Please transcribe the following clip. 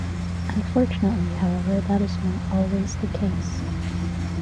Unfortunately, however, that is not always the case.